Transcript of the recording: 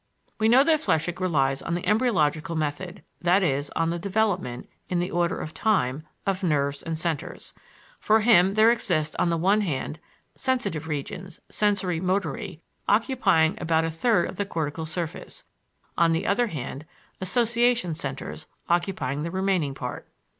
We know that Flechsig relies on the embryological method that is, on the development in the order of time, of nerves and centers. For him there exist on the one hand sensitive regions (sensory motor), occupying about a third of the cortical surface; on the other hand, association centers, occupying the remaining part.